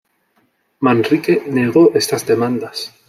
Manrique negó estas demandas.